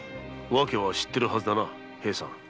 訳は知ってるはずだな？